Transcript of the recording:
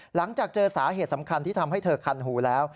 หลังจากเจอสาเหตุสำคัญที่ทำให้เธอคันหูแล้ว